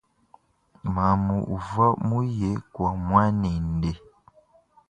Mamu uva muya kua muanende.